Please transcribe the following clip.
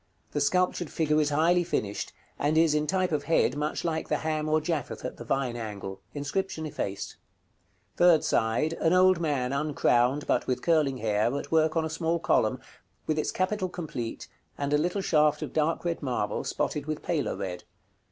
The sculptured figure is highly finished, and is in type of head much like the Ham or Japheth at the Vine angle. Inscription effaced. Third side. An old man, uncrowned, but with curling hair, at work on a small column, with its capital complete, and a little shaft of dark red marble, spotted with paler red.